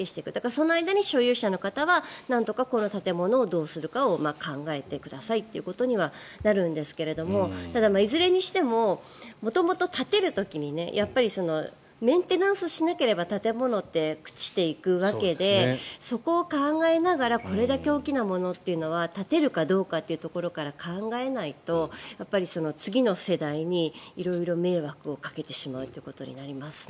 その間に所有者の方はなんとかこの建物をどうするかを考えてくださいということにはなるんですけれどもただ、いずれにしても元々、建てる時にやっぱりメンテナンスしなければ建物って朽ちていくわけでそこを考えながらこれだけ大きなものというのは建てるかどうかというところから考えないと次の世代に色々迷惑をかけてしまうということになりますね。